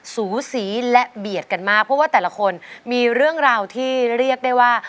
สูสีและเบียดกันมากเพราะว่าแต่ละคนมีเรื่องราวที่เรียกได้ว่า